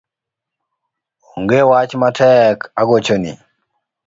Onge wach matek agochoni